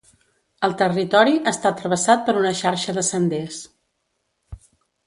El territori està travessat per una xarxa de senders.